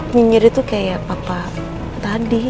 nyinyir itu kayak papa tadi